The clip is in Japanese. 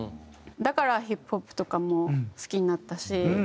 だからヒップホップとかも好きになったし。